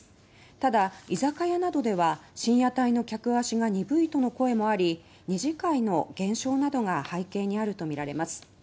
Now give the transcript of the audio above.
ただ、居酒屋などでは深夜帯の客足が鈍いとの声もあり二次会の減少などが背景にあるとみられます。